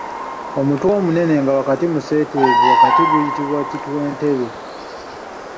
Omutwe omunene nga museeteevu wakati guyitibwa kitwentebe.